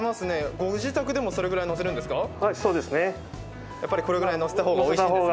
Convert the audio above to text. ご自宅でもそれぐらいのせるんですか？